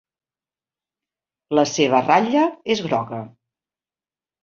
La seva ratlla és groga.